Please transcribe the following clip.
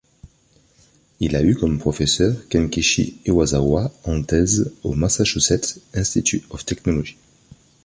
Il a eu comme professeur Kenkichi Iwasawa en thèse au Massachusetts Institute of Technology.